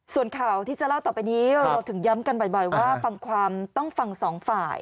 ส่วนข่าวที่จะเล่าต่อไปนี้เราถึงย้ำกันบ่อยว่าฟังความต้องฟังสองฝ่าย